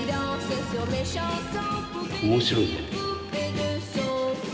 面白いね。